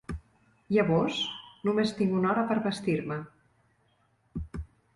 Llavors només tinc una hora per vestir-me.